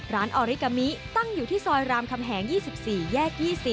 ออริกามิตั้งอยู่ที่ซอยรามคำแหง๒๔แยก๒๐